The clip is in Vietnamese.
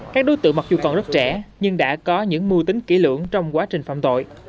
các đối tượng mặc dù còn rất trẻ nhưng đã có những mưu tính kỹ lưỡng trong quá trình phạm tội